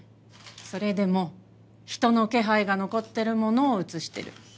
それでも人の気配が残ってるものを写してる。